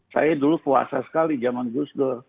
saya dulu puasa sekali zaman gusdo